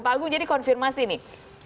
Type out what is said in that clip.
pak agung jadi konfirmasi nih